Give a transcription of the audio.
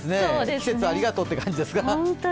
季節ありがとうという感じですか。